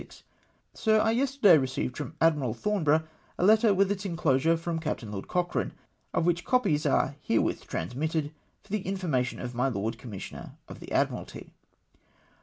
Sir, — I yesterday received from Admiral Thornborough a letter with its enclosm e from Captain Lord Cochrane, of which copies are herewith transmitted for the information of my Lord Commissioner of the Admiralty.